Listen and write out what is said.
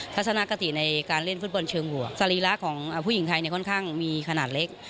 ลักษณะกติในการเล่นฟุตบอลเชิงหัวสรีรักษ์ของผู้หญิงไทยค่อนข้างมีขนาดเล็ก